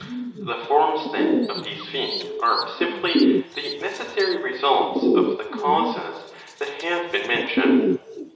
*^ The forms, then, of these feet are simply the necessary results of the causes that have been mentioned.